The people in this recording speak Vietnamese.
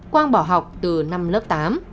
quang bỏ học từ năm lớp tám